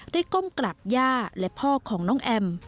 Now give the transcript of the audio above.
ก้มกราบย่าและพ่อของน้องแอม